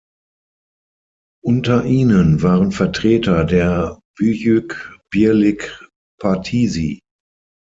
Unter ihnen waren Vertreter der Büyük Birlik Partisi.